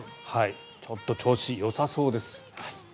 ちょっと調子よさそうです。